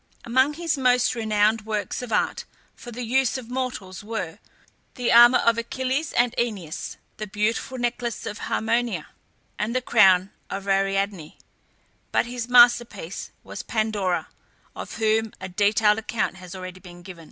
Among his most renowned works of art for the use of mortals were: the armour of Achilles and Æneas, the beautiful necklace of Harmonia, and the crown of Ariadne; but his masterpiece was Pandora, of whom a detailed account has already been given.